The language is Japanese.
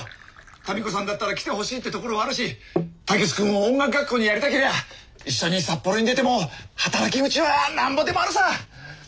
民子さんだったら来てほしいってところはあるし武志君を音楽学校にやりたけりゃ一緒に札幌に出ても働き口はなんぼでもあるさ。